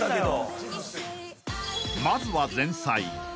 ［まずは前菜］